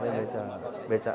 oh nari beca